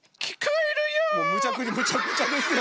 もうむちゃくちゃですよ。